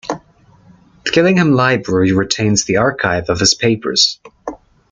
Gillingham Library retains the archive of his papers.